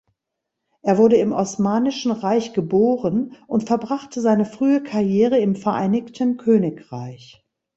Er wurde im Osmanischen Reich geboren und verbrachte seine frühe Karriere im Vereinigten Königreich.